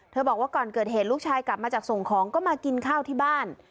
บอกว่าก่อนเกิดเหตุลูกชายกลับมาจากส่งของก็มากินข้าวที่บ้าน